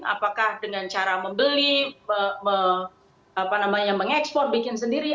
apakah dengan cara membeli mengekspor bikin sendiri